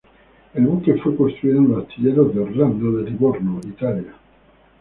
El buque fue construido en los astilleros de Orlando de Livorno, Italia.